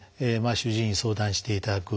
主治医に相談していただく。